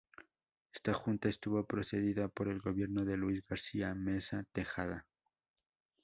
Esta Junta estuvo precedida por el gobierno de Luis García Meza Tejada.